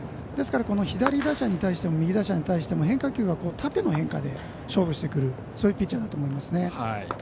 ですから、左打者に対しても右打者に対しても変化球が縦の変化で変化してくるピッチャーだと思いますね。